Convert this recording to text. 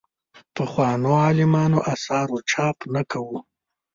پخوانو عالمانو اثارو چاپ نه کوو.